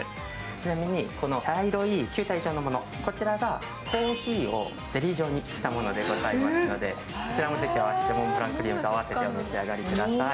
ちなみにこの茶色い球体状のもの、こちらがコーヒーをゼリー状にしたものでございますのでこちらもぜひモンブランクリームと合わせてお召し上がりください。